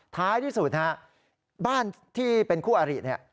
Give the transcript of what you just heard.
ท้ายที่สุดบ้านที่เป็นคู่อาริส